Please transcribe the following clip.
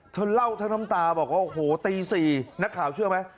เธอเล่าทั้งน้ำตาบอกว่าโอ้โหตี๔นักข่าวเชื่อไหม